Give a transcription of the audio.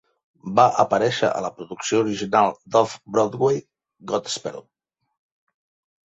Va aparèixer a la producció original d"off-Broadway "Godspell".